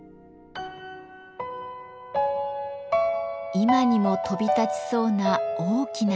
今にも飛び立ちそうな大きな鷹。